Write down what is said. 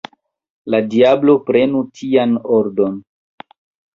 La diablo prenu tian ordon!